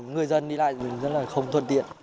người dân đi lại rất là không thuận tiện